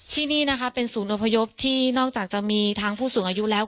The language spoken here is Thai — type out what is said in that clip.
ที่นี่นะคะเป็นศูนย์อพยพที่นอกจากจะมีทั้งผู้สูงอายุแล้ว